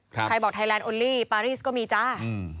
ใครบอกไทยแลนดโอลี่ปารีสก็มีจ้าอืม